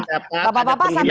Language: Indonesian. bapak bapak santai santai ya